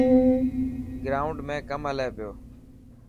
گرائونڊ ۾ ڪم هلي پيو.